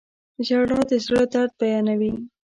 • ژړا د زړه درد بیانوي.